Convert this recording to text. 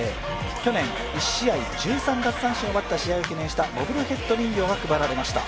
去年、１試合１３奪三振を奪った試合を記念したボブルヘッド人形が配られました。